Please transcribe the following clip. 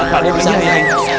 pak d disana